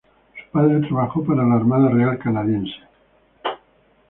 Su padre trabajó para la Armada Real Canadiense.